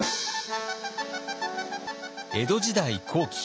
江戸時代後期。